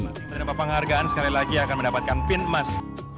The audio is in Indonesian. dan apa penghargaan sekali lagi akan mendapatkan pin emas